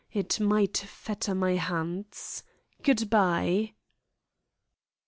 It might fetter my hands Good bye!"